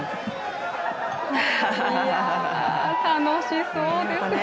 いやあ、楽しそうですね。